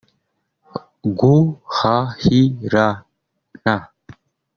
guhahirana